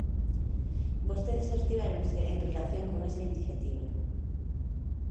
Vostedes abstivéronse en relación con esa iniciativa.